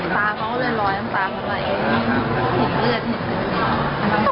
ตาเขาก็เลยรอยตามตาเขาไว้เห็นเลือดเห็น